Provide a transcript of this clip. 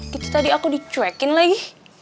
terus tadi aku dicuekin lagi